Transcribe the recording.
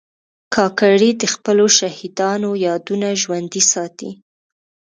کاکړي د خپلو شهیدانو یادونه ژوندي ساتي.